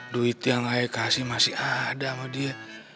duit yang ayah kasih masih ada sama dia